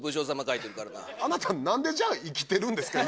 あなた何でじゃあ生きてるんですか？